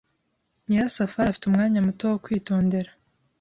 Nyirasafari afite umwanya muto wo kwitondera.